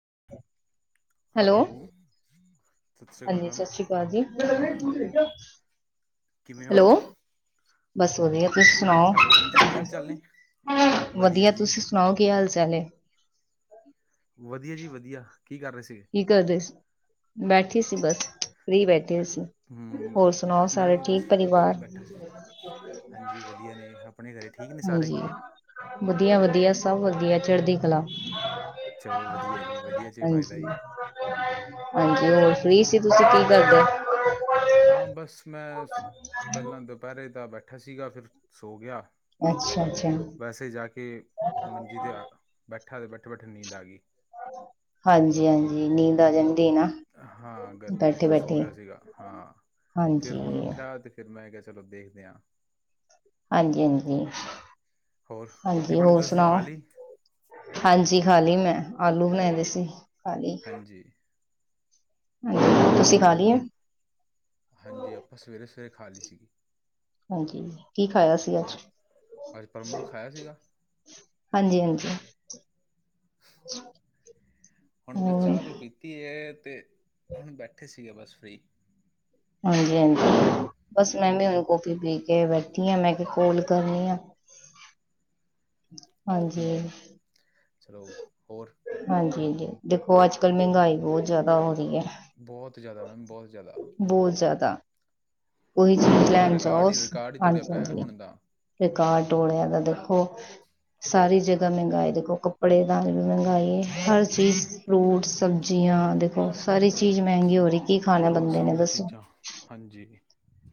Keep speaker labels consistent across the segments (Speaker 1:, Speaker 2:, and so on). Speaker 1: [inaudible]
Speaker 2: Hello ਸਤਿ ਸ਼੍ਰੀ ਅਕਾਲ
Speaker 1: ਹਾਂਜੀ
Speaker 2: ਮੈਮ
Speaker 1: ਸਤਿ ਸ੍ਰੀ ਅਕਾਲ ਜੀ,
Speaker 2: ਕਿਵੇਂ ਹੋ
Speaker 1: ਹੈਲੋ ਬਸ ਵਧੀਆ ਤੁਸੀ ਸੁਣਾਓ
Speaker 2: ਹੈਲੋ ਹਾਂਜੀ ਕੀ ਹਾਲ ਚਾਲ ਨੇ
Speaker 1: ਵਧੀਆ ਤੁਸੀ ਸੁਣਾਓ ਕੀ ਹਾਲ ਚਾਲ ਹੈ
Speaker 2: ਵਧੀਆ ਜੀ ਵਧੀਆ ਕੀ ਕਰ ਰਹੇ ਸੀਗੇ
Speaker 1: ਕੀ ਕਰਦੇ ਸੀ ਬੈਠੀ ਸੀ ਬਸ ਫਰੀ ਬੈਠੀ
Speaker 2: ਹਮ ਮੈਂ ਵੀ ਬਸ
Speaker 1: ਠੀਕ
Speaker 2: ਫਰੀ
Speaker 1: ਪਰਿਵਾਰ
Speaker 2: ਬੈਠਾ ਸੀ ਹਾਂਜੀ ਵਧੀਆ ਨੇ ਆਪ
Speaker 1: ਹਾਂਜੀ ਵਧੀਆ ਵਧੀਆ ਸਭ ਵਧੀਆ ਚੜ੍ਹਦੀ ਕਲਾ
Speaker 2: ਚਲੋ ਵਧੀਆ ਜੀ ਵਧੀਆ 'ਚ ਫਾਇਦਾ
Speaker 1: ਹਾਂਜੀ
Speaker 2: ਜੀ
Speaker 1: ਹਾਂਜੀ ਫ੍ਰੀ ਸੀ ਤੁਸੀਂ ਕੀ ਕਰਦੇ
Speaker 2: ਹਾਂ ਬਸ ਮੈਂ ਪਹਿਲਾਂ ਦੁਪਹਿਰੇ ਦਾ ਬੈਠਾ ਸੀਗਾ ਫਿਰ ਸੋ ਗਿਆ
Speaker 1: ਅੱਛਾ ਅੱਛਾ
Speaker 2: ਵੈਸੇ ਜਾ ਕੇ ਮੰਜੀ ਤੇ ਆ ਬੈਠੇ ਉਥੇ ਬੈਠੇ ਬੈਠੇ ਨੀਂਦ ਆ ਗਈ
Speaker 1: ਹਾਂਜੀ ਹਾਂਜੀ ਨੀਂਦ ਆ ਜਾਣੀ
Speaker 2: ਹਾਂ ਗਰਮੀ ਚ ਫਿਰ ਸੋ ਗਿਆ ਸੀਗਾ ਹਾਂ ਫਿਰ
Speaker 1: ਹਾਂਜੀ
Speaker 2: ਹੁਣ
Speaker 1: ਹਾਂਜੀ
Speaker 2: ਉੱਠਿਆ ਤੇ ਫਿਰ ਮੈਂ ਕਹਿ ਚਲੋ ਦੇਖਦੇ ਹਾਂ
Speaker 1: ਹਾਂਜੀ ਹਾਂਜੀ
Speaker 2: ਹੋਰ ਰੋਟੀ
Speaker 1: ਹਾਂਜੀ
Speaker 2: ਪਾਣੀ
Speaker 1: ਹੋਰ
Speaker 2: ਤਾਂ ਤੁਸੀਂ ਖਾ
Speaker 1: ਸੁਣਾਓ
Speaker 2: ਲਈ
Speaker 1: ਹਾਂਜੀ ਖਾਲੀ ਮੈਂ ਆਲੂ ਬਣਾਏ ਦੇ ਸੀ ਖਾਲੀ
Speaker 2: ਹਾਂਜੀ
Speaker 1: ਹਾਂਜੀ ਤੁਸੀਂ ਖਾ ਲਈਏ
Speaker 2: ਹਾਂਜੀ ਆਪਾਂ ਸਵੇਰੇ ਸਵੇਰੇ ਖਾ ਲੀ ਸੀਗੀ
Speaker 1: ਹਾਂਜੀ ਕੀ ਖਾਇਆ ਸੀ ਅੱਜ
Speaker 2: ਉਹ ਅੱਜ ਪਰਮਲ ਖਾਇਆ ਸੀਗਾ
Speaker 1: ਹਾਂਜੀ ਹਾਂਜੀ
Speaker 2: ਹੁਣ ਬਸ
Speaker 1: ਹੋਰ
Speaker 2: ਚਾ ਚੁ ਪੀਤੀ ਹੈ ਤੇ ਹੁਣ ਬੈਠੇ ਸੀ ਠੀਕ ਹੈ ਬਸ ਫ੍ਰੀ
Speaker 1: ਹਾਂਜੀ ਹਾਂਜੀ ਬਸ ਮੈਂ ਵੀ ਹੁਣ ਕਾਫੀ ਪੀ ਕੇ ਬੈਠੀ ਆ ਮੈਂ ਕਿਹਾ ਕੋਲ ਕਰਨੀ ਆ ਹਾਂਜੀ
Speaker 2: ਹੂੰ ਚਲੋ ਹੋਰ
Speaker 1: ਹਾਂਜੀ ਹਾਂਜੀ ਦੇਖੋ ਅੱਜ ਕਲ ਮਹਿੰਗਾਈ ਬਹੁਤ ਜਿਆਦਾ ਹੋ ਰਹੀ ਹੈ
Speaker 2: ਬਹੁਤ ਜ਼ਿਆਦਾ ਮੈਮ ਬਹੁਤ ਜ਼ਿਆਦਾ
Speaker 1: ਬਹੁਤ ਜ਼ਿਆਦਾ ਉਹੀ
Speaker 2: ਮਹਿੰਗਾਈ
Speaker 1: ਚੀਜ਼
Speaker 2: ਨੇ ਤਾਂ
Speaker 1: ਲੈਣ
Speaker 2: ਰਿਕਾਰਡ ਹੀ
Speaker 1: ਜਾਓਸ
Speaker 2: ਰਿਕਾਰਡ ਹੀ ਤੋੜਿਆ
Speaker 1: ਹਾਂਜੀ
Speaker 2: ਪਿਆ ਹੈ
Speaker 1: ਹਾਂਜੀ
Speaker 2: ਹੁਣ ਦਾ
Speaker 1: ਰਿਕਾਰਡ ਟੋਲਿਆਂ ਦੈ ਦੇਖੋ ਸਾਰੀ ਜਗ੍ਹਾ ਮਹਿੰਗਾਈ ਦੇਖੋ ਕੱਪੜੇ ਦਾਨ ਵੀ ਮਹਿੰਗਾਈ ਹੈ ਹਰ ਚੀਜ਼ ਫਰੂਟ ਸਬਜ਼ੀਆਂ ਦੇਖੋ ਸਾਰੀ ਚੀਜ਼ ਮਹਿੰਗੀ ਹੋ ਰਹੀ
Speaker 2: ਹਾਂ ਸਭ ਚੀਜ਼ਾਂ ਹਾਂਜੀ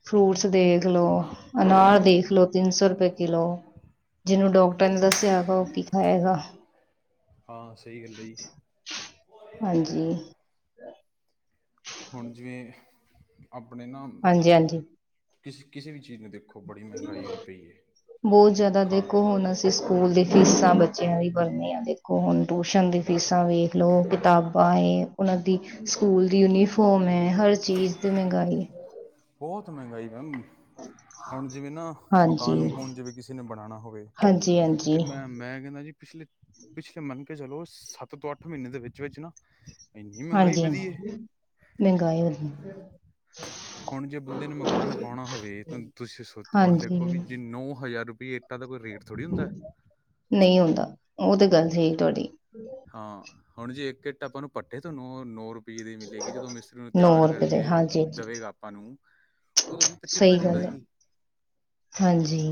Speaker 1: ਫਰੂਟਸ ਦੇਖ ਲੋ ਅਨਾਰ ਦੇਖ ਲੋ ਤਿੰਨ ਸੌ ਰੁਪਏ ਕਿਲੋ ਜਿਹਨੂੰ ਡਾਕਟਰ ਨੇ ਦੱਸਿਆ ਹੈਗਾ ਉਹ ਕੀ ਖਾਏਗਾ
Speaker 2: ਹਾਂ ਸਹੀ ਗੱਲ ਹੈ ਜੀ
Speaker 1: ਹਾਂਜੀ
Speaker 2: ਹੁਣ ਜਿਵੇਂ ਆਪਣੇ ਨਾ
Speaker 1: ਹਾਂਜੀ ਹਾਂਜੀ
Speaker 2: ਕਿਸ ਕਿਸੇ ਵੀ ਚੀਜ਼ ਨੂੰ ਦੇਖੋ ਬੜੀ ਮਹਿੰਗਾਈ ਹੋ ਪਈ ਹੈ
Speaker 1: ਬਹੁਤ ਜ਼ਿਆਦਾ
Speaker 2: ਖਾਣ
Speaker 1: ਦੇਖੋ ਹੁਣ ਅਸੀਂ ਸਕੂਲ ਦੀ ਫੀਸਾਂ ਬੱਚਿਆਂ ਦੀ ਭਰਨੀਆਂ ਦੇਖੋ ਹੁਣ ਟਿਊਸ਼ਨ ਦੀ ਫੀਸਾਂ ਵੇਖ ਲਓ ਕਿਤਾਬਾਂਏ ਉਹਨਾਂ ਦੀ ਸਕੂਲ ਦੀ ਯੂਨੀਫੋਮ ਹੈ ਹਰ ਚੀਜ਼ ਤੇ ਮਹਿੰਗਾਈ
Speaker 2: ਬਹੁਤ ਮਹਿੰਗਾਈ ਮੈਮ ਹੁਣ ਜਿਵੇਂ ਨਾ
Speaker 1: ਹਾਂਜੀ
Speaker 2: ਮਕਾਨ ਮਕੂਨ ਜਿਵੇਂ ਕਿਸੇ ਨੇ ਬਣਾਉਣਾ ਹੋਵੇ
Speaker 1: ਹਾਂਜੀ
Speaker 2: ਤੇ
Speaker 1: ਹਾਂਜੀ
Speaker 2: ਮੈਂ ਮੈਂ ਕਹਿੰਦਾ ਜੀ ਪਿਛਲੇ ਪਿਛਲੇ ਮੰਨ ਕੇ ਚਲੋ ਸੱਤ ਤੋਂ ਅੱਠ ਮਹੀਨ ਦੇ ਵਿੱਚ ਵਿੱਚ ਨਾ ਇੰਨੀ ਮਹਿੰਗਾਈ
Speaker 1: ਹਾਂਜੀ-ਹਾਂਜੀ
Speaker 2: ਵਧੀ ਏ
Speaker 1: ਮਹਿੰਗਾਈ ਵਧੀ
Speaker 2: ਹੁਣ ਜੇ ਬੰਦੇ ਨੇ ਮਕਾਨ ਪਾਉਣਾ ਹੋਵੇ ਤੁਸੀਂ ਸ ਹੁਣ
Speaker 1: ਹਾਂਜੀ
Speaker 2: ਦੇਖੋ ਵੀ ਜੇ ਨੌ ਹਜ਼ਾਰ ਇੱਕ ਤਾਂ ਕੋ
Speaker 1: ਨਹੀਂ ਹੁੰਦਾ ਉਹ ਤੇ ਗੱਲ ਸਹੀ ਤੁਹਾਡੀ
Speaker 2: ਹਾਂ ਹੁਣ ਜੀ ਇੱਕ ਇੱਟ ਆਪਾਂ ਨੂੰ ਪੱਠੇ ਨੂੰ ਨੋ ਰੂ ਪੀਜ਼ ਦੀ ਨਹੀ ਮਿਲੇਗੀ ਜਦੋਂ ਮਿਸਤਰੀ ਨੂੰ
Speaker 1: ਨੌ
Speaker 2: ਤਿਆਰ
Speaker 1: ਰੁਪਏ ਦੇ
Speaker 2: ਕਰਕੇ
Speaker 1: ਹਾਂਜੀ ਹਾਂਜੀ
Speaker 2: ਦਵੇਗਾ ਆਪਾਂ ਨੂੰ ਉਹ ਤਾਂ ਵੀ ਪੱਚੀ
Speaker 1: ਸਹੀ
Speaker 2: ਰੁਪਏ ਦੀ
Speaker 1: ਗੱਲ ਹੈ
Speaker 2: ਪਏਗੀ।
Speaker 1: ਹਾਂਜੀ।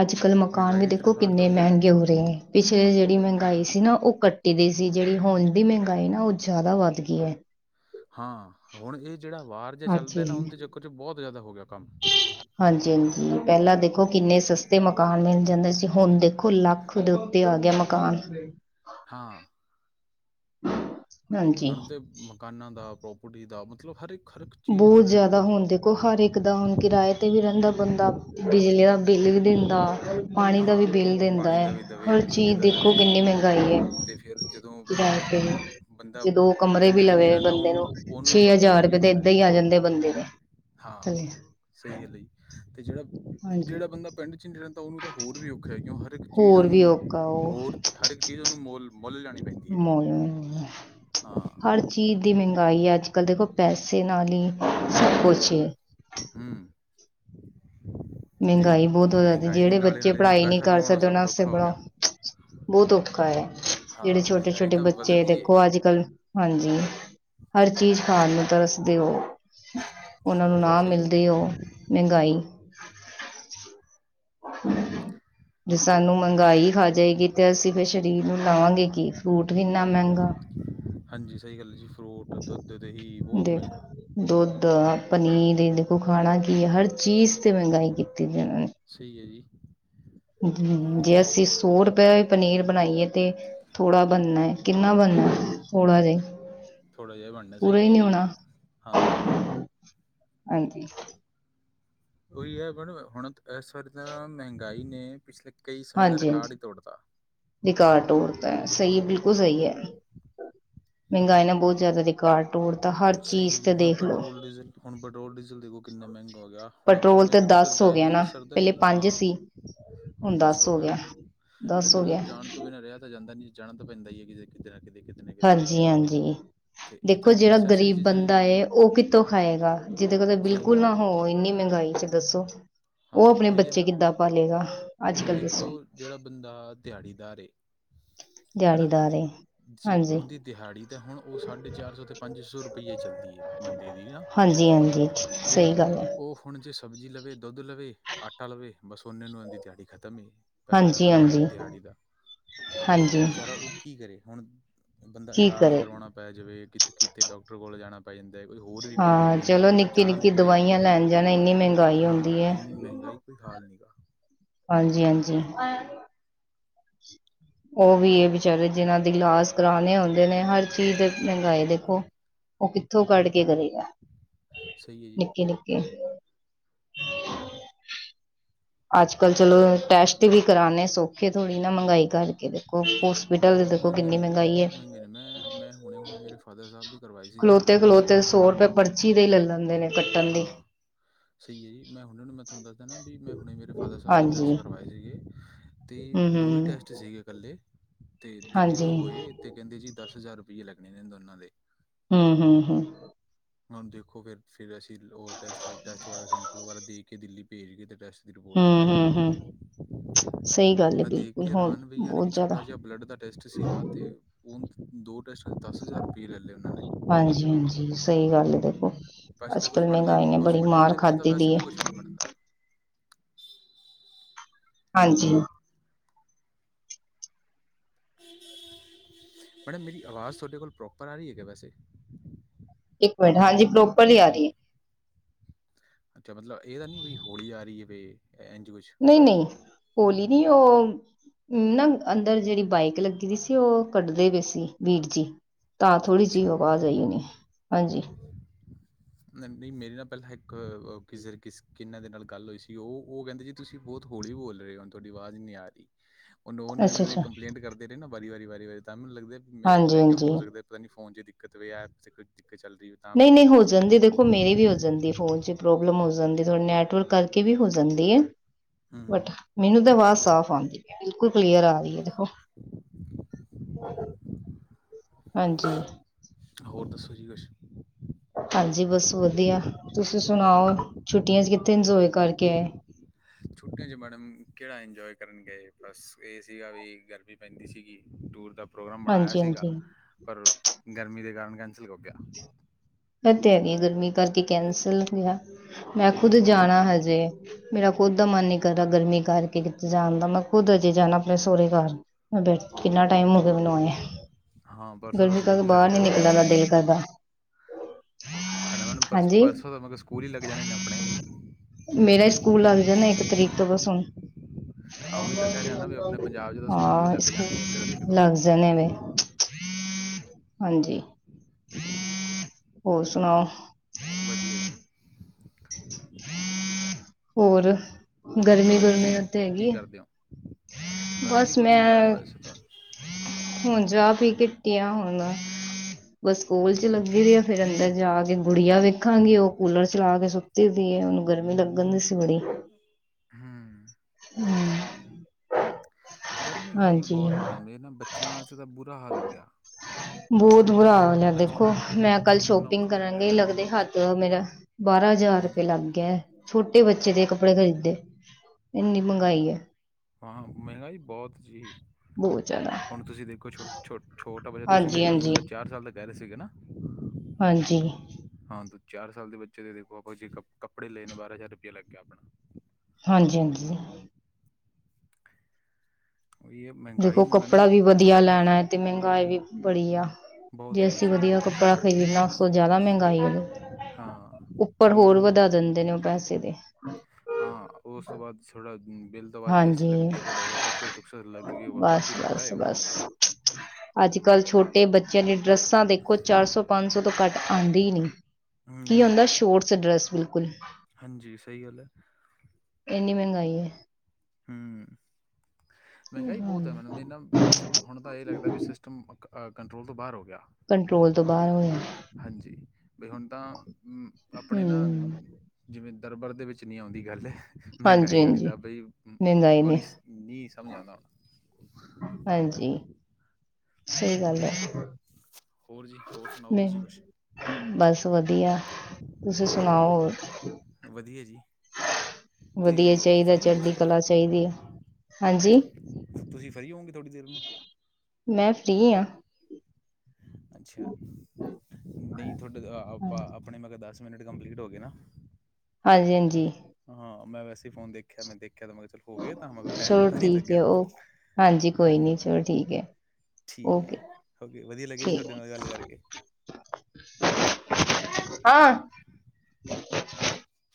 Speaker 1: ਅੱਜ ਕੱਲ ਮਕਾਨ
Speaker 2: ਮਹਿੰਗਾਈ
Speaker 1: ਵੀ
Speaker 2: ਨੇ ਤਾਂ
Speaker 1: ਦੇਖੋ
Speaker 2: ਰਿਕਾਰਡ
Speaker 1: ਕਿੰਨੇ
Speaker 2: ਤੋੜਿਆ
Speaker 1: ਮਹਿੰਗੇ ਹੋ ਰਹੇ ਨੇ ਪਿਛਲੇ ਜਿਹੜੀ ਮਹਿੰਗਾਈ ਸੀ। ਸੀ ਨਾ ਉਹ ਕੱਟੀ ਦੀ ਸੀ ਜਿਹੜੀ ਹੁਣ ਦੀ ਮਹਿੰਗਾਈ ਨਾ ਉਹ ਜ਼ਿਆਦਾ ਵੱਧ ਗਈ ਹੈ।
Speaker 2: ਹਾਂ ਹੁਣ ਇਹ ਜਿਹੜਾ ਵਾਰ ਜਿਹਾ
Speaker 1: ਹਾਂਜੀ
Speaker 2: ਚੱਲਦਾ ਨਾ ਉਹਦੇ ਚੱਕਰ ਚ ਬਹੁਤ ਜ਼ਿਆਦਾ ਹੋ ਗਿਆ। ਕੰਮ
Speaker 1: ਹਾਂਜੀ, ਹਾਂਜੀ ਪਹਿਲਾਂ ਦੇਖੋ ਕਿੰਨੇ ਸਸਤੇ ਮਕਾਨ ਮਿਲ ਜਾਂਦੇ ਸੀ ਹੁਣ ਦੇਖੋ ਲੱਖ ਦੇ ਉੱਤੇ ਆ ਗਿਆ ਮਕਾਨ
Speaker 2: ਹਾਂ।
Speaker 1: ਹਾਂਜੀ
Speaker 2: ਹਨ ਤੇ ਮਕਾਨਾਂ ਦਾ ਪ੍ਰੋਪਰਟੀ ਦਾ ਮਤਲਬ ਹਰ ਇੱਕ ਹਰ ਇੱਕ ਚੀਜ਼ ਦਾ
Speaker 1: ਬਹੁਤ
Speaker 2: ਰੇਟ
Speaker 1: ਜ਼ਿਆਦਾ ਹੁਣ
Speaker 2: ਵੱਧ ਗਿਆ
Speaker 1: ਦੇਖੋ
Speaker 2: ਜੀ।
Speaker 1: ਹਰ ਇੱਕ ਦਾ ਹੁਣ ਕਿਰਾਏ ਤੇ ਵੀ ਰਹਿੰਦਾ ਬੰਦਾ ਬਿਜਲੀ ਦਾ ਬਿੱਲ ਵੀ ਦਿੰਦਾ ਪਾਣੀ ਦਾ ਵੀ
Speaker 2: ਹਾਂ,
Speaker 1: ਬਿੱਲ ਦਿੰਦਾ
Speaker 2: ਪਾਣੀ
Speaker 1: ਹੈ
Speaker 2: ਦਾ ਵੀ ਦਵੇ,
Speaker 1: ਹਰ ਚੀਜ਼ ਦੇਖੋ ਕਿੰਨੀ ਮਹਿੰਗਾਈ ਹੈ।
Speaker 2: ਅਤੇ ਫਿਰ ਜਦੋਂ ਬੰਦੇ
Speaker 1: ਕਿਰਾਏ
Speaker 2: ਨੂੰ
Speaker 1: ਤੇ ਵੀ
Speaker 2: ਬੰਦਾ
Speaker 1: ਜੇ ਦੋ ਕਮਰੇ
Speaker 2: ਪਿੰਡ
Speaker 1: ਵੀ
Speaker 2: 'ਚ
Speaker 1: ਲਵੇ
Speaker 2: ਨਹੀਂ ਰਹਿੰਦਾ
Speaker 1: ਬੰਦੇ ਨੂੰ
Speaker 2: ਉਹਨੂੰ ਉਹਨੂੰ
Speaker 1: ਛੇ
Speaker 2: ਤਾਂ ਹੋਰ
Speaker 1: ਹਜ਼ਾਰ
Speaker 2: ਵੀ
Speaker 1: ਰੁਪਏ ਦੇ
Speaker 2: ਔਖਾ ਹੈ।
Speaker 1: ਏਦਾਂ ਹੀ ਆ ਜਾਂਦੇ ਬੰਦੇ ਦੇ
Speaker 2: ਹਾਂ
Speaker 1: ਥੱਲੇ
Speaker 2: ਸਹੀ ਗੱਲ ਤੇ ਜਿਹੜਾ
Speaker 1: ਹਾਂਜੀ
Speaker 2: ਜਿਹੜਾ ਬੰਦਾ ਪਿੰਡ ਚ ਤਾਂ ਉਹਨੂੰ ਤਾਂ ਹੋਰ ਵੀ ਔਖਾ ਕਿਉਂ ਹਰ ਇੱਕ ਚੀਜ਼
Speaker 1: ਹੋਰ
Speaker 2: ਉਹਨੂੰ
Speaker 1: ਵੀ ਔਖਾ ਉਹ
Speaker 2: ਹੋਰ ਹਰ ਇੱਕ ਚੀਜ਼ ਉਹਨੂੰ ਮੋਲ ਹਾਂ,
Speaker 1: ਹਰ ਚੀਜ਼ ਦੀ ਮੈਨੂੰ ਹਾਈ ਅੱਜ ਕੱਲ ਦੇਖੋ ਪੈਸੇ ਨਾਲ ਹੀ ਸਭ ਕੁਛ ਏ।
Speaker 2: ਹਮ
Speaker 1: ਮਹਿੰਗਾਈ ਬਹੁਤ ਵ
Speaker 2: ਮਹਿੰਗਾਈ ਦੇ
Speaker 1: ਜਿਹੜੇ ਬੱਚੇ
Speaker 2: ਨਾਲੇ-ਨਾਲੇ ਜੀ
Speaker 1: ਪੜ੍ਹਾਈ ਨਹੀਂ
Speaker 2: ਪੈਸਾ
Speaker 1: ਕਰ
Speaker 2: ਕਮਾਉਣਾ
Speaker 1: ਸਕਦੇ ਉਹਨਾਂ
Speaker 2: ਸਭ ਤੋਂ
Speaker 1: ਵਾਸਤੇ
Speaker 2: ਔਖਾ ਹੋ ਗਿਆ।
Speaker 1: ਬਣਾਓ ਬਹੁਤ ਔਖਾ ਹੈ ਜਿਹੜੇ
Speaker 2: ਹਾਂ,
Speaker 1: ਛੋਟੇ
Speaker 2: ਮਹਿੰਗਾਈ
Speaker 1: ਛੋਟੇ
Speaker 2: ਤਾਂ
Speaker 1: ਬੱਚੇ
Speaker 2: ਵੱਧਦੀ ਏ
Speaker 1: ਦੇਖੋ ਅੱਜ ਕੱਲ ਹਾਂਜੀ ਹਰ ਚੀਜ਼ ਖਾਣ ਨੂੰ ਤਰਸਦੇ ਹੋ ਉਹਨਾਂ ਨੂੰ ਨਾ
Speaker 2: ਸਹੀ ਹੈ ਜੀ
Speaker 1: ਮਿਲਦੇ ਉਹ ਮਹਿੰਗਾਈ [unintelligible] ਜੇ ਸਾਨੂੰ ਮਹਿੰਗਾਈ ਖਾ ਜਾਏਗੀ ਤਾਂ ਅਸੀਂ ਫਿਰ ਸਰੀਰ ਨੂੰ ਲਾਵਾਂਗੇ ਕਿ ਫਰੂਟ ਵੀ ਇੰਨਾ ਮਹਿੰਗਾ
Speaker 2: ਹਾਂਜੀ ਸਹੀ ਗੱਲ ਹੈ ਜੀ ਫਰੂਟ ਦੁੱਧ ਦਹੀਂ ਬਹੁਤ
Speaker 1: ਦੇਖ
Speaker 2: ਮਹਿੰਗਾ
Speaker 1: ਦੁੱਧ ਪਨੀਰ ਦੇਖੋ ਖਾਣਾ ਕੀ ਹੈ ਹਰ ਚੀਜ਼ ਤੇ ਮਹਿੰਗਾਈ ਕੀਤੀ ਜਾਣਾ
Speaker 2: ਸਹੀ ਹੈ ਜੀ।
Speaker 1: ਹ ਜੇ ਅਸੀਂ ਸੌ ਰੁਪਏ ਵੀ ਪਨੀਰ ਬਣਾਈਏ ਤੇ ਥੋੜਾ ਬਣਨਾ ਹੈ। ਕਿੰਨਾ ਬਣਿਆ
Speaker 2: ਹਾਂ
Speaker 1: ਥੋੜਾ ਜਿਹਾ
Speaker 2: ਥੋੜ੍ਹਾ ਜਿਹਾ ਬਣਨਾ
Speaker 1: ਪੂਰਾ
Speaker 2: ਸਹੀ
Speaker 1: ਹੀ
Speaker 2: ਗੱਲ
Speaker 1: ਨਹੀਂ
Speaker 2: ਜੀ
Speaker 1: ਹੋਣਾ
Speaker 2: ਹਾਂ
Speaker 1: ਹਾਂਜੀ।
Speaker 2: ਉਹੀ ਹੈੈਣ ਹੁਣ ਇਸ ਵਾਰ ਤੇ ਮਹਿੰਗਾਈ ਨੇ ਪਿਛਲੇ ਕਈ ਸਮੇਂ ਦਾ
Speaker 1: ਹਾਂਜੀ,
Speaker 2: ਰਿਕਾਰਡ ਹੀ
Speaker 1: ਹਾਂਜੀ
Speaker 2: ਤੋੜਤਾ
Speaker 1: ਰਿਕਾਰਡ ਤੌੜ ਤਾਂ ਸਹੀ ਬਿਲਕੁਲ [unintelligible] ਸਹੀ ਹੈ ਮਹਿੰਗਾਈ ਨਾਲ ਬਹੁਤ ਜ਼ਿਆਦਾ ਰਿਕਾਰਡ ਤੋੜਤਾ ਹਰ
Speaker 2: ਸਹੀ ਹੈ
Speaker 1: ਚੀਜ਼
Speaker 2: ਜੀ
Speaker 1: ਤੇ
Speaker 2: ਹੁਣ
Speaker 1: ਦੇਖ ਲਓ
Speaker 2: ਪੈਟਰੋਲ ਡੀਜ਼ਲ ਹੁਣ ਪੈਟਰੋਲ ਡੀਜ਼ਲ ਦੇਖੋ ਕਿੰਨਾ ਮਹਿੰਗਾ ਹੋ ਗਿਆ ਹੁਣ ਆਪਾਂ
Speaker 1: ਪੈਟਰੋਲ
Speaker 2: ਨੂੰ
Speaker 1: ਤੇ
Speaker 2: ਇੱਧਰ ਉਧਰ
Speaker 1: ਹੋ
Speaker 2: ਜਾਏ
Speaker 1: ਗਿਆ
Speaker 2: ਬਿਨਾ ਤੇ
Speaker 1: ਨਾ
Speaker 2: ਸਰਦਾ ਨੀ
Speaker 1: ਪਹਿਲੇ
Speaker 2: ਨਾ ਹਾਂ
Speaker 1: ਸੀ
Speaker 2: ਹੁਣ ਦੱਸ ਹੋ ਗਿਆ ਇੱਧਰ
Speaker 1: ਹੋ
Speaker 2: ਉਧਰ
Speaker 1: ਗਿਆ
Speaker 2: ਜਾਣ ਤੋਂ ਬਿਨਾਂ ਰਿਹਾ ਤਾਂ ਜਾਂਦਾ ਨੀ ਜਾਣਾ ਤਾਂ ਪੈਂਦਾ ਹੀ ਹੈ ਕਿਤੇ ਕਿਤੇ ਨਾ ਕਿਤੇ ਨਾ ਕਿਤੇ
Speaker 1: ਹਾਂਜੀ, ਹਾਂਜੀ
Speaker 2: ਤੇ ਇਹ
Speaker 1: ਦੇਖੋ
Speaker 2: ਤਾਂ
Speaker 1: ਜਿਹੜਾ
Speaker 2: ਨੈਸੈਸਰੀ
Speaker 1: ਗ਼ਰੀਬ
Speaker 2: ਚੀਜ਼ਾਂ ਨੇ
Speaker 1: ਬੰਦਾ ਉਹ ਕਿੱਥੋਂ ਖਾਏਗਾ। ਜਿਦੇ ਕੋ
Speaker 2: ਸਹੀ
Speaker 1: ਬਿਲਕੁਲ
Speaker 2: ਗੱਲ ਹੈ
Speaker 1: ਨਾ
Speaker 2: ਜੀ
Speaker 1: ਹੋ ਇੰਨੀ ਮਹਿੰਗਾਈ ਚ ਦੱਸੋ। ਉਹ
Speaker 2: ਹਾਂ
Speaker 1: ਆਪਣੇ
Speaker 2: ਉਹੀ ਹੈ ਨਾ
Speaker 1: ਬੱਚੇ ਕਿੱਦਾਂ ਪਾਲੇਗਾ। ਅੱਜ
Speaker 2: ਹੁਣ
Speaker 1: ਕੱਲ
Speaker 2: ਦੇਖੋ
Speaker 1: ਦੱਸੋ
Speaker 2: ਜਿਹੜਾ ਬੰਦਾ ਦਿਹਾੜੀਦਾਰ ਏ ਹਨਾ
Speaker 1: ਦਿਹਾੜੀਦਾਰ ਏ
Speaker 2: ਜੇ
Speaker 1: ਹਾਂਜੀ
Speaker 2: ਉਹਦੀ ਦਿਹਾੜੀ ਤਾਂ ਹੁਣ ਉਹ ਸਾਢੇ ਚਾਰ ਸੌ ਤੇ ਪੰਜ ਸੌ ਰੁਪਈਏ ਚੱਲਦੀ ਏ ਬੰਦੇ ਦੀ ਨਾ
Speaker 1: ਹਾਂਜੀ, ਹਾਂਜੀ
Speaker 2: ਜੇ
Speaker 1: ਸਹੀ ਗੱਲ ਹੈ।
Speaker 2: ਉਹ ਹੁਣ ਜੇ ਸਬਜ਼ੀ ਲਵੇ, ਦੁੱਧ ਲਵੇ, ਆਟਾ ਲਵੇ, ਬਸ ਔਨੇ ਨੂੰ ਏੰਦੀ ਤਿਆਰੀ ਕਰ ਖਤਮ ਪੈਸਾ
Speaker 1: ਹਾਂਜੀ
Speaker 2: ਖ਼ਤਮ
Speaker 1: ਹਾਂਜੀ
Speaker 2: ਦਿਹਾੜੀ ਦਾ।
Speaker 1: ਹਾਂਜੀ
Speaker 2: ਵਿਚਾਰਾ ਉਹ ਕੀ ਕਰੇ ਹੁਣ ਬੰਦਾ
Speaker 1: ਕੀ
Speaker 2: ਇਲਾਜ
Speaker 1: ਕਰੇ
Speaker 2: ਕਰਵਾਉਣਾ ਪੈ ਜਾਵੇ ਕਿੱਥੇ ਕਿੱਤੇ ਡਾਕਟਰ ਕੋਲ ਜਾਣਾ ਪੈ ਜਾਂਦਾ ਹੋਰ ਵੀ ਕੰਮ
Speaker 1: ਹਾਂ
Speaker 2: ਹੁੰਦੇ ਨੇ
Speaker 1: ਚਲੋ
Speaker 2: ਇੱਧਰ ਉੱਧਰ
Speaker 1: ਨਿੱਕੀ
Speaker 2: ਜਾਣਾ ਵੀ
Speaker 1: ਨਿੱਕੀ
Speaker 2: ਪੈ
Speaker 1: ਦਵਾਈਆਂ
Speaker 2: ਜਾਂਦਾ
Speaker 1: ਲੈਣ ਜਾਣਾ ਇੰਨੀ ਮਹਿੰਗਾਈ
Speaker 2: ਹਾਂ
Speaker 1: ਹੁੰਦੀ ਹੈ
Speaker 2: ਇੰਨੀ ਮਹਿੰਗਾਈ [unintelligible]
Speaker 1: ਹਾਂਜੀ ਹਾਂਜੀ ਉਹ ਵੀ ਇਹ ਵਿਚਾਰੇ ਜਿਹਨਾਂ ਦੇ ਇਲਾਜ ਕਰਾਣੇ ਹੁੰਦੇ ਨੇ ਹਰ ਚੀਜ਼ ਮਹਿੰਗਾਈ ਦੇਖੋ ਉਹ ਕਿੱਥੋਂ ਕੱਢ ਕੇ ਕਰੇ ਗਾ
Speaker 2: ਸਹੀ ਹੈ ਜੀ
Speaker 1: ਨਿੱਕੇ ਨਿੱਕੇ ਅੱਜ ਕੱਲ ਚਲੋ ਟੈਸਟ ਵੀ ਕਰਾਉਣੇ ਸੌਖੇ ਥੋੜ੍ਹੀ ਨਾ ਮਹਿੰਗਾਈ ਕਰਕੇ ਹਸਪੀਟਲ ਦੇ
Speaker 2: ਬਹੁਤ
Speaker 1: ਦੇਖੋ
Speaker 2: ਮਹਿੰਗੇ
Speaker 1: ਕਿੰਨੀ
Speaker 2: ਨੇ ਜੀ
Speaker 1: ਮਹਿੰਗਾਈ ਹੈ
Speaker 2: ਬਹੁਤ ਮਹਿੰਗੇ ਨੇ ਮੈਂ ਮੈਂ ਹੁਣੇ ਹੁਣੇ ਮੇਰੇ ਫਾਦਰ ਸਾਹਿਬ ਦੇ ਕਰਵਾਏ ਸੀਗੇ
Speaker 1: ਖਲੋ ਤੇ ਸੌ ਰੁਪਏ ਪਰਚੀ ਦੇ ਹੀ ਲੈ ਲੈਂਦੇ ਨੇ ਕੱਟਣ ਦੀ
Speaker 2: ਹਾਂ ਸਹੀ ਹੈ ਜੀ ਮੈਂ ਹੁਣ ਨੂੰ ਮੈਂ ਤੁਹਾਨੂੰ ਦੱਸ ਦੇਣਾ ਵੀ ਮੈਂ ਹੁਣੇ ਮੇਰੇ ਫਾਦਰ ਸਾਹਿਬ ਦੇ ਟੈਸਟ
Speaker 1: ਹਾਂਜੀ
Speaker 2: ਕਰਵਾਏ ਸੀਗੇ ਤੇ
Speaker 1: ਹੂੰ
Speaker 2: ਦੋ ਹੀ
Speaker 1: ਹੂੰ
Speaker 2: ਟੈਸਟ ਸੀਗੇ ਇਕੱਲੇ ਤੇ ਦਿੱਲੀ
Speaker 1: ਹਾਂਜੀ
Speaker 2: ਤੋਂ ਹੋਏ ਤੇ ਕਹਿੰਦੇ ਜੀ ਦਸ ਹਜ਼ਾਰ ਰੁਪਈਏ ਲੱਗਣੇ ਨੇ ਦੋਨਾਂ ਦੇ
Speaker 1: ਹਮ ਹਮ ਹਮ
Speaker 2: ਹੁਣ ਦੇਖੋ ਫਿਰ [unintelligible] ਦੇ ਕੇ ਦਿੱਲੀ ਭੇਜ ਕੇ ਦੀ ਰਿਪੋਰਟ
Speaker 1: ਹਮ
Speaker 2: ਮੰਗਾਈ
Speaker 1: ਹਮ ਹਮ
Speaker 2: ਮੈਂ ਦੇਖ ਕੇ ਹਰਾਨ ਵੀ ਯਾਰ ਇੱਕ
Speaker 1: ਬਹੁਤ ਜ਼ਿਆਦਾ
Speaker 2: ਛੋਟਾ ਜਿਹਾ ਬਲੱਡ ਦਾ ਟੈਸਟ ਸੀਗਾ ਤੇ ਉਹ ਦੋ ਟੈਸਟ ਦਸ ਹਜ਼ਾਰ ਰੁਪਆ ਲੈ ਲੈ ਉਹਨਾਂ
Speaker 1: ਹਾਂਜੀ
Speaker 2: ਨੇ
Speaker 1: ਹਾਂਜੀ ਸਹੀ ਗੱਲ ਹੈ ਦੇਖੋ
Speaker 2: ਪੈਸੇ
Speaker 1: ਅੱਜ
Speaker 2: ਤਾਂ ਕੁਛ
Speaker 1: ਕੱਲ
Speaker 2: ਬਣਦਾ ਹੀ
Speaker 1: ਮਹਿੰਗਾਈ
Speaker 2: ਨਹੀਂ
Speaker 1: ਨੇ ਬੜੀ
Speaker 2: ਹੋਸਪਿਟਲਾਂ
Speaker 1: ਮਾਰ
Speaker 2: ਦੇ ਵਿੱਚ ਤਾਂ
Speaker 1: ਖਾਧੀ
Speaker 2: ਵੈਸੇ
Speaker 1: ਦੀ
Speaker 2: ਵੀ
Speaker 1: ਹੈ
Speaker 2: ਕੁਛ ਨਹੀਂ ਬਣਦਾ
Speaker 1: ਹਾਂਜੀ
Speaker 2: ਮੈਡਮ ਮੇਰੀ ਆਵਾਜ਼ ਤੁਹਾਡੇ ਕੋਲ ਪ੍ਰੋਪਰ ਆ ਰਹੀ ਹੈਗੀ ਵੈਸੇ
Speaker 1: ਇੱਕ ਮਿੰਟ ਹਾਂਜੀ ਪ੍ਰੋਪਰਲੀ ਆ ਰਹੀ ਹੈ
Speaker 2: ਅੱਛਾ ਮਤਲਬ ਇਹ ਤਾਂ ਨੀ ਬਈ ਹੋਲੀ ਆ ਰਹੀ ਹੈ ਵੀ ਐ- ਇੰਝ ਕੁਛ
Speaker 1: ਨਹੀਂ ਨਹੀਂ ਹੋਲੀ ਨਹੀਂ ਉਹ ਨਾ ਅੰਦਰ ਜਿਹੜੀ ਬਾਈਕ ਲੱਗੀ ਦੀ ਸੀ ਉਹ ਕੱਢਦੇ ਪਏ ਸੀ ਬੀਰ ਜੀ ਤਾਂ ਥੋੜ੍ਹੀ ਜਿਹੀ
Speaker 2: ਅੱਛਾ
Speaker 1: ਆਵਾਜ਼ ਆਈ ਹੌਲੀ ਹੈ ਹਾਂਜੀ
Speaker 2: ਨਹੀਂ ਮੇਰੇ ਨਾਲ ਪਹਿਲਾਂ ਇੱਕ ਕਿਸਰ ਕਿਸ ਕਿਹਨਾਂ ਦੇ ਨਾਲ ਗੱਲ ਹੋਈ ਸੀ ਉਹ ਕਹਿੰਦੇ ਜੀ ਤੁਸੀਂ ਬਹੁਤ ਹੌਲੀ ਬੋਲ ਰਹੇ ਹੋ ਤੁਹਾਡੀ ਆਵਾਜ਼ ਨਹੀਂ ਆ ਰਹੀ ਉਹਨ ਉਹਨਾਂ ਨੇ
Speaker 1: ਅੱਛਾ
Speaker 2: ਮੈਨੂੰ ਇੱਕ
Speaker 1: ਅੱਛਾ
Speaker 2: ਕੰਪਲੇਂਟ ਕਰਦੇ ਰਹੇ ਨਾ ਵਾਰੀ ਵਾਰੀ ਵਾਰੀ ਵਾਰੀ ਤਾਂ ਮੈਨੂੰ ਲੱਗਦਾ ਵੀ ਮੈਂ
Speaker 1: ਹਾਂਜੀ
Speaker 2: ਮੈਂ ਕਿਹਾ
Speaker 1: ਹਾਂਜੀ
Speaker 2: ਹੋ ਸਕਦਾ ਪਤਾ ਨੀ ਫੋਨ ਚੇ ਦਿੱਕਤ ਵੀ ਕੋਈ ਦਿੱਕਤ ਚੱਲ ਰਹੀ ਹੋ ਤਾਂ ਮੈਂ
Speaker 1: ਨਹੀਂ
Speaker 2: ਤੁਹਾਨੂੰ
Speaker 1: ਨਹੀਂ ਹੋ
Speaker 2: ਪੁੱਛਿਆ ਸੀਗਾ
Speaker 1: ਜਾਂਦੀ ਦੇਖੋ ਮੇਰੀ ਵੀ ਹੋ ਜਾਂਦੀ ਫੋਨ ਚ ਪ੍ਰੋਬਲਮ ਹੋ ਜਾਂਦੀ ਥੋੜੀ ਨੈਟਵਰਕ ਕਰਕੇ ਵੀ ਹੋ ਜਾਂਦੀ ਆ ਬਟ
Speaker 2: ਹੂੰ
Speaker 1: ਮੈਨੂੰ ਤਾਂ ਆਵਾਜ਼ ਸਾਫ਼ ਆਦੀ ਬਿਲਕੁਲ ਕਲੀਅਰ ਆ ਰਹੀ ਹੈ ਦੇਖੋ। ਹਾਂਜੀ,
Speaker 2: ਹੋਰ ਦੱਸੋ ਜੀ ਕੁਛ?
Speaker 1: ਹਾਂਜੀ ਬਸ ਵਧੀਆ ਤੁਸੀਂ ਕੇ
Speaker 2: ਛੁੱਟੀਆਂ ਮੈਡਮ ਕਿਹੜਾ ਇੰਜੋਏ ਕਰਨ ਗਏ, ਬਸ ਇਹ ਸੀਗਾ ਵੀ ਗਰਮੀ ਪੈਂਦੀ ਸੀਗੀ ਟੂਰ ਦਾ ਪ੍ਰੋਗਰਾਮ ਬਣਾਇਆ
Speaker 1: ਹਾਂਜੀ
Speaker 2: ਸੀਗਾ
Speaker 1: ਹਾਂਜੀ
Speaker 2: ਪਰ ਗਰਮੀ ਦੇ ਕਾਰਨ ਕੈਂਸਲ ਕਰ
Speaker 1: ਹੈ ਨਹੀਂ ਗਰਮੀ ਕਰਕੇ ਕੈਂਸਲ ਹੋਇਆ, ਮੈਂ ਖੁਦ
Speaker 2: ਹਮ ਬਹੁਤ
Speaker 1: ਜਾਣਾ
Speaker 2: ਗਰਮੀ
Speaker 1: ਹਜੇ ਮੇਰਾ ਖੁਦ ਦਾ ਮਨ ਨਹੀਂ ਕਰਦਾ ਗਰਮੀ ਕਰਕੇ ਕਿਤੇ ਜਾਣ ਦਾ ਮੈਂ ਖੁਦ ਅਜੇ ਜਾਣਾ ਆਪਣੇ ਸਹੁਰੇ ਘਰ ਬ ਕਿੰਨਾ ਟਾਈਮ ਹੋਗਿਆ ਮੈਨੂੰ ਆਏ
Speaker 2: ਹਾਂ ਪਰਸੋਂ ਤਾਂ
Speaker 1: ਗਰਮੀ ਕਰਕੇ
Speaker 2: ਸਕੂਲ ਹੀ ਲੱਗ
Speaker 1: ਬਾਹਰ ਨੀ
Speaker 2: ਜਾਣੇ ਨੇ
Speaker 1: ਨਿਕਲਦਾ ਦਾ
Speaker 2: ਆਪਣੇ
Speaker 1: ਦਿਲ ਕਰਦਾ
Speaker 2: ਹਨਾ ਮੈ ਪਰਸ
Speaker 1: ਹਾਂਜੀ
Speaker 2: ਪਰਸੋਂ ਤੋਂ ਮਤਲਬ ਸਕੂਲ ਹੀ ਲੱਗ ਜਾਣੇ ਨੇ ਆਪਣੇ
Speaker 1: ਮੇਰਾ ਹੀ ਸਕੂਲ ਲੱਗ ਜਾਦਾ ਇੱਕ ਤਰੀਕ ਤੋਂ ਬਸ ਹੁਣ
Speaker 2: ਹਾਂ ਉਹੀ ਤਾਂ ਕਹਿ ਰਿਹਾ ਨਾ ਵੀ ਆਪਣੇ ਪੰਜਾਬ 'ਚ ਤਾਂ ਸਕੂਲ ਵੀ
Speaker 1: ਹਾ
Speaker 2: ਲੱਗ ਜਾਣੇ ਨੇ ਇੱਕ ਤਰੀਕ ਤੋਂ
Speaker 1: ਲੱਗ ਜਾਣੇ ਨੇ, ਹਾਂਜੀ ਹੋਰ ਸੁਣਾਓ?
Speaker 2: ਵਧੀਆ ਜੀ
Speaker 1: ਹੋਰ ਗਰਮੀ
Speaker 2: ਹੋਰ
Speaker 1: ਗੁਰਮੀ
Speaker 2: ਤੁਸੀਂ
Speaker 1: ਤੇ ਹੈਗੀ
Speaker 2: ਕੀ
Speaker 1: ਆ
Speaker 2: ਕਰਦੇ ਹੋ ਗਰਮੀ
Speaker 1: ਬਸ ਮੈਂ
Speaker 2: ਗੁਰਮੀ ਮੈਡਮ ਵੈਸੇ ਤਾਂ
Speaker 1: ਹੁਣ ਚਾ
Speaker 2: ਹਾਂਜੀ
Speaker 1: ਪੀਤੀ ਆ ਹੁਣ ਬਸ ਸਕੂਲ ਚ ਲੱਗੀ ਰੀ ਆ ਫਿਰ ਅੰਦਰ ਜਾ ਕੇ ਗੁੜੀਆਂ ਵੇਖਾਂਗੇ ਉਹ ਕੂਲਰ ਚਲਾ ਕੇ ਸੁੱਤੀ ਦੀ ਉਹਨੂੰ ਗਰਮੀ ਲੱਗਣ ਦੀ ਸੀ
Speaker 2: ਹਮ
Speaker 1: [unintelligible] ਹਮ
Speaker 2: ਗਰਮੀ ਹੈ ਹੀ
Speaker 1: ਹਾਂਜੀ
Speaker 2: ਬਹੁਤ ਮੈਡਮ ਇਹ ਨਾ ਬੱਚਿਆਂ ਵਾਸਤੇ ਤਾਂ ਬੁਰਾ ਹਾਲ ਹੋ ਗਿਆ।
Speaker 1: ਬਹੁਤ ਬੁਰਾ ਹਾਲ ਐ
Speaker 2: ਬੱਚਿਆਂ
Speaker 1: ਦੇਖੋ
Speaker 2: ਨੂੰ ਨਾ ਹੁਣ
Speaker 1: ਮੈਂ ਕੱਲ
Speaker 2: ਸੰਭਲਣਾ
Speaker 1: ਸ਼ੋਪਿੰਗ
Speaker 2: ਔਖਾ ਹੋਇਆ ਪਿਆ
Speaker 1: ਕਰਾਂਗੇ
Speaker 2: ਗਰਮੀ
Speaker 1: ਲੱਗਦੇ
Speaker 2: ਦੇ ਵਿੱਚ
Speaker 1: ਹੱਥ ਮੇਰਾ ਬਾਰਾਂ ਹਜ਼ਾਰ ਰੁਪਏ,
Speaker 2: ਹਾਂਜੀ
Speaker 1: ਅਲੱਗ ਹੈ ਛੋਟੇ ਬੱਚੇ ਦੇ ਕੱਪੜੇ ਖਰੀਦੇ ਇੰਨੀ ਮਹਿੰਗਾਈ ਹੈ।
Speaker 2: ਹਾਂ ਮਹਿੰਗਾਈ ਬਹੁਤ ਜੀ
Speaker 1: ਬਹੁਤ ਜ਼ਿਆਦਾ
Speaker 2: ਹੁਣ ਤੁਸੀਂ ਦੇਖੋ ਛੋ ਛੋ ਛੋਟੈ, ਅੱਛਾ ਤੁਸੀਂ
Speaker 1: ਹਾਂਜੀ
Speaker 2: ਰੇਲ
Speaker 1: ਹਾਂਜੀ
Speaker 2: ਮੁੰਡਾ ਚਾਰ ਸਾਲ ਕਹਿ ਰਹੇ ਸੀਗੇ ਨਾ,
Speaker 1: ਹਾਂਜੀ,
Speaker 2: ਹਾਂ ਤਾਂ ਚਾਰ ਸਾਲ ਦੇ ਬੱਚੇ ਦੇ ਦੇਖੋ ਆਪਾਂ ਜੇ ਕ ਕੱਪੜੇ ਲਏ ਨੇ ਬਾਰਾਂ ਹਜ਼ਾਰ ਰੁਪਇਆ ਲੱਗ ਗਿਆ ਆਪਣਾ,
Speaker 1: ਹਾਂਜੀ-ਹਾਂਜੀ,
Speaker 2: ਉਹੀ ਇਹ ਮਹਿੰਗਾਈ
Speaker 1: ਦੇਖੋ
Speaker 2: ਨੇ ਮੈਡਮ
Speaker 1: ਕੱਪੜਾ ਵੀ ਵਧੀਆ ਲੈਣਾ ਹੈ ਤੇ ਮਹਿੰਗਾਈ ਵੀ ਬੜੀ ਆ ਜੇ
Speaker 2: ਬਹੁਤ ਹੈ
Speaker 1: ਅਸੀਂ
Speaker 2: ਸਹੀ
Speaker 1: ਵਧੀਆ
Speaker 2: ਗੱਲ ਹੈ ਜੀ
Speaker 1: ਕੱਪੜਾ ਖ਼ਰੀਦਨਾ ਉਸ ਤੋਂ ਜ਼ਿਆਦਾ ਮਹਿੰਗਾਈ,
Speaker 2: ਹਾਂ
Speaker 1: ਉੱਪਰ
Speaker 2: ਉਹੀ ਹੈ
Speaker 1: ਹੋਰ
Speaker 2: ਨਾ
Speaker 1: ਵਧਾ ਦਿੰਦੇ ਨੇ ਉਹ ਪੈਸੇ ਦੇ,
Speaker 2: ਹਾਂ ਉਸ ਤੋਂ ਬਾਅਦ ਥੋੜਾ ਬਿੱਲ ਤੋਂ ਬਾਅਦ ਜਿਸ ਲੱਗਦੀ ਹੈ ਥੋੜਾ ਹੋਰ ਟਕਸ ਟਕ
Speaker 1: ਬਸ-ਬਸ-ਬਸ ਅੱਜ-ਕੱਲ ਚ ਛੋਟੇ ਬੱਚਿਆਂ ਦੀ ਡਰੈੱਸਾਂ ਦੇਖੋ ਚਾਰ ਸੌ ਪੰਜ ਸੌ ਤੋਂ ਘੱਟ ਆਦੀ ਨਹੀਂ,
Speaker 2: ਹੂੰ,
Speaker 1: ਕੀ
Speaker 2: ਨਹੀਂ
Speaker 1: ਹੁੰਦਾ
Speaker 2: ਆਂਦੀ ਜੀ
Speaker 1: ਸ਼ੋਰਟਸਡਰੈਸ ਬਿਲਕੁਲ
Speaker 2: ਹਾਂਜੀ ਸਹੀ ਗੱਲ ਹੈ,
Speaker 1: ਇੰਨੀ ਮਹਿੰਗਾਈ ਹੈ,
Speaker 2: ਹੂੰ, ਮਹਿੰਗਾਈ
Speaker 1: ਹਾਂ
Speaker 2: ਬਹੁਤ ਹੈ ਮੈਨੂੰ ਇਹ ਨਾ ਬਸ ਹੁਣ ਤਾਂ ਇਹ ਲੱਗਦਾ ਵੀ ਸਿਸਟਮ ਕੰਟਰੋਲ ਤੋਂ ਬਾਹਰ ਹੋ ਗਿਆ।
Speaker 1: ਕੰਟਰੋਲ ਤੋਂ ਬਾਹਰ ਹੋਇਆ,
Speaker 2: ਹਾਂਜੀ ਬਈ ਹੁਣ ਤਾਂ ਆਪਣੇ ਨਾ
Speaker 1: ਹਮ
Speaker 2: ਜਿਵੇਂ, ਦਰਬਰ ਦੇ ਵਿੱਚ ਨਹੀਂ ਆਉਂਦੀ ਗੱਲ ਹੈ।
Speaker 1: ਹਾਂਜੀ
Speaker 2: ਮਹਿੰਗਾਈ ਵਾਲੀ
Speaker 1: ਹਾਂਜੀ
Speaker 2: ਦਾ ਬਈ
Speaker 1: ਮਹਿੰਗਾਈ ਨੇ
Speaker 2: ਕੋਣੀ ਨੀ ਸਮਝ ਆਉਂਦਾ ਹਣਾ,
Speaker 1: ਹਾਂਜੀ ਸਹੀ ਗੱਲ ਹੈ,
Speaker 2: ਹੋਰ ਜੀ ਹੋਰ ਸੁਣਾਓ ਤੁਸੀਂ ਕੁਛ
Speaker 1: ਬਸ ਵਧੀਆ ਤੁਸੀਂ ਸੁਣਾਓ ਹੋਰ?
Speaker 2: ਵਧੀਆ ਜੀ ਤੇ
Speaker 1: ਵਧੀਆ ਚਾਹੀਦਾ
Speaker 2: ਫਰੀ ਹੋ
Speaker 1: ਚੜ੍ਹਦੀ
Speaker 2: ਤੁਸੀਂ
Speaker 1: ਕਲਾ ਚਾਹੀਦੀ ਹੈ ਹਾਂਜੀ,
Speaker 2: ਤੁਸੀਂ ਫਰੀ ਹੋਓਗੇ ਥੋੜ੍ਹੀ ਦੇਰ ਨੂੰ,
Speaker 1: ਫਰੀ ਆ,
Speaker 2: ਅੱਛਾ ਨਹੀਂ ਤੁਹਾਡੇ ਆਪਾਂ ਆਪਣੇ ਮੈਂ ਕਿਹਾ ਦੱਸ, ਮਿੰਟ ਕੰਪਲੀਟ ਹੋ ਗਏ ਨਾ।
Speaker 1: ਹਾਂਜੀ ਹਾਂਜੀ।
Speaker 2: ਹਾਂ ਮੈਂ ਵੈਸੇ ਫੋਨ ਦੇਖਿਆ ਮੈਂ ਦੇਖ ਕ ਮੈਂ ਚਲ ਹੋ ਗਏ ਤਾਂ ਮ ਟਾਈਮ
Speaker 1: ਚਲੋ
Speaker 2: ਪਤਾ ਨੀ
Speaker 1: ਠੀਕ
Speaker 2: ਲੱਗਿਆ
Speaker 1: ਹੈ ਉਹ ਹਾਂਜੀ ਕੋਈ ਨਹੀਂ
Speaker 2: ਹਾਂਜੀ।
Speaker 1: ਚਲੋ ਠੀਕ ਹੈ
Speaker 2: ਠੀਕ ਹੈ
Speaker 1: ਓਕੇ
Speaker 2: ਜੀ, ਓਕੇ ਵਧੀਆ ਲੱਗਿਆ ਜੀ ਤੁਹਾਡੇ ਨਾਲ
Speaker 1: ਠੀਕ
Speaker 2: ਗੱਲ ਕਰਕੇ।
Speaker 1: ਹਾਂ